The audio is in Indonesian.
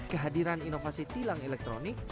kehadiran inovasi tilang elektronik